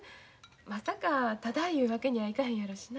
まさかタダいうわけにはいかへんやろしな。